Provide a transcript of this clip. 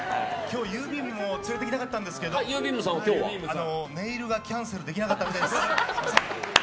ゆーびーむ☆も今日連れてきたかったんですけどネイルがキャンセルできなかったみたいです。